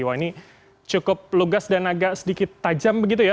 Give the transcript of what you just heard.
wah ini cukup lugas dan agak sedikit tajam begitu ya